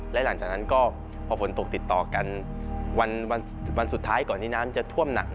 และหลังจากนั้นก็พอฝนตกติดต่อกันวันสุดท้ายก่อนที่น้ำจะท่วมหนัก